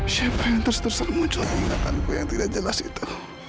siapa yang terserah muncul di ingatanku yang tidak jelas itu